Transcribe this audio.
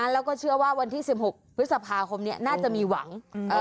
แล้วก็เชื่อว่าวันที่๑๖พฤษภาคมนี้น่าจะมีหวัง